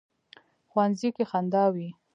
ښوونځی کې خندا وي